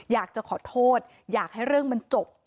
อยากจะขอโทษอยากให้เรื่องมันจบ